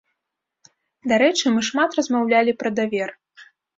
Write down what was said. Дарэчы, мы шмат размаўлялі пра давер.